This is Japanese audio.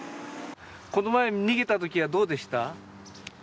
この前、逃げたときはどうでした？